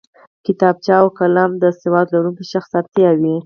کتابچه او قلم د سواد لرونکی شخص اړتیا وي